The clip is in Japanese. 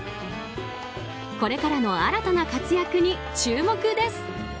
これからの新たな活躍に注目です。